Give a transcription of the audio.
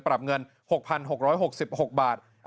ปรับเงิน๖๖๖๖บาท